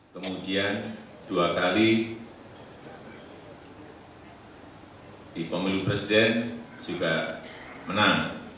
kemudian dua kali di pemilu presiden juga menang